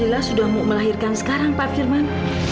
ayla sudah mau melahirkan sekarang pak firman